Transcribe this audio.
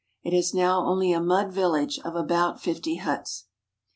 It has now only a mud village of about fifty huts.